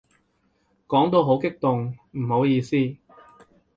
講到好激動，唔好意思